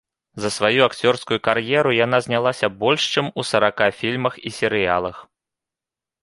За сваю акцёрскую кар'еру яна знялася больш чым у сарака фільмах і серыялах.